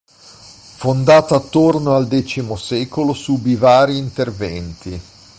Fondata attorno al X secolo, subì vari interventi.